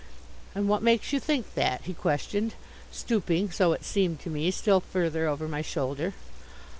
"And what makes you think that?" he questioned, stooping, so it seemed to me, still further over my shoulder.